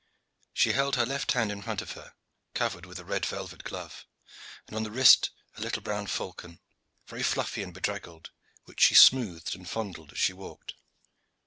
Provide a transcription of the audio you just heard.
She held her left hand in front of her, covered with a red velvet glove, and on the wrist a little brown falcon, very fluffy and bedraggled, which she smoothed and fondled as she walked.